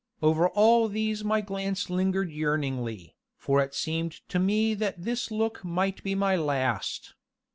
Over all these my glance lingered yearningly, for it seemed to me that this look might be my last.